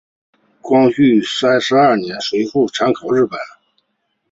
光绪三十二年随父考察日本。